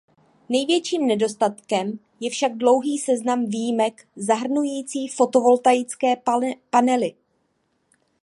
Největším nedostatkem je však dlouhý seznam výjimek, zahrnující fotovoltaické panely.